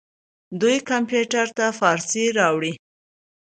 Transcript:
دوی کمپیوټر ته فارسي راوړې.